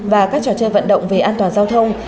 và các trò chơi vận động về an toàn giao thông